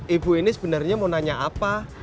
ibu ini sebenarnya mau nanya apa